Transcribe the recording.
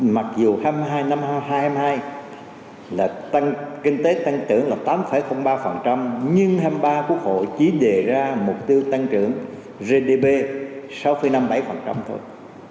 mặc dù năm hai nghìn hai mươi hai kinh tế tăng trưởng là tám ba nhưng hai mươi ba quốc hội chỉ đề ra mục tiêu tăng trưởng gdp sáu năm mươi bảy thôi